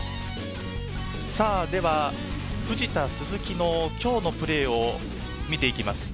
藤田、鈴木の今日のプレーを見ていきます。